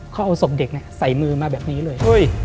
เขาเอาศพเด็กใส่มือมาแบบนี้เลย